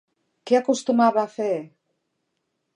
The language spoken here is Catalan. Què acostumava a fer?